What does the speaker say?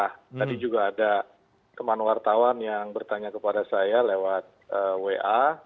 tadi juga ada teman wartawan yang bertanya kepada saya lewat wa